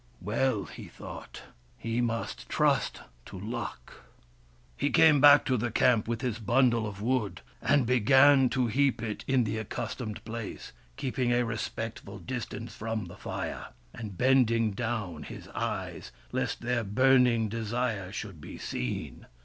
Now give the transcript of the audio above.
Well, he thought, he must trust to luck. He came back to the camp with his bundle of wood, and began to heap it in the accustomed place, keeping a respectful distance from the Fire, WURIP, THE FIRE BRINGER 251 and bending down his eyes, lest their burning desire should be seen.